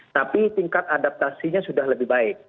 tapi tingkat adaptasinya sudah lebih baik